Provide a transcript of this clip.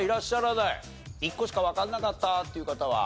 １個しかわかんなかったという方は。